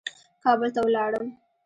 کابل ته ولاړم.